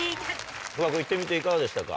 フワ君行ってみていかがでしたか？